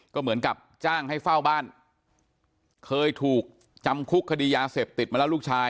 ก็เหมือนกับจ้างให้เฝ้าบ้านเคยถูกจำคุกคดียาเสพติดมาแล้วลูกชาย